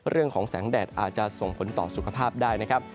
เรื่องของแสงแดดอาจจะส่งผลต่อสุขภาพได้นะครับ